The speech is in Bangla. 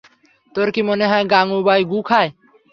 তোর কি মনে হয় গাঙুবাই গু খায়?